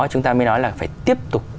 chúng ta mới nói là phải tiếp tục